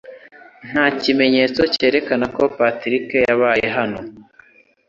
Nta kimenyetso cyerekana ko Patrick yabaye hano.